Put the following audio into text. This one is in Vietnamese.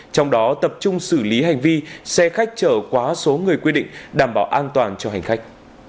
trong đó tập trung xử lý hành vi xe khách chở quá số người quy định đảm bảo an toàn cho hành khách